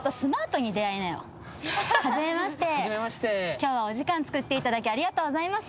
「今日はお時間つくっていただきありがとうございます」